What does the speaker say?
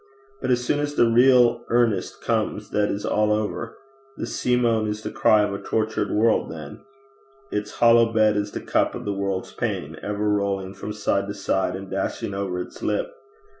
'But as soon as the real earnest comes that is all over. The sea moan is the cry of a tortured world then. Its hollow bed is the cup of the world's pain, ever rolling from side to side and dashing over its lip.